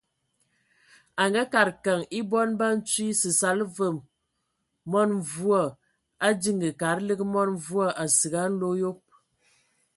A ngaakəd keŋ e bɔn ba ntwi, səsala və mɔn mvua, a diŋiŋ kad lig mɔn mvua asig a nlo ayob.